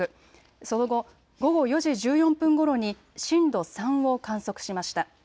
その後、午後４時１４分ごろに震度３を観測しました。